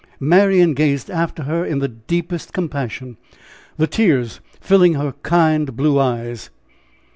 Marian gazed after her in the deepest compassion, the tears filling her kind blue eyes.